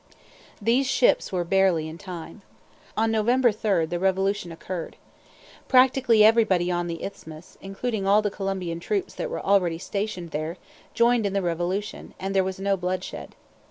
These ships were barely in time. On November 3 the revolution occurred. Practically everybody on the Isthmus, including all the Colombian troops that were already stationed there, joined in the revolution, and there was no bloodshed.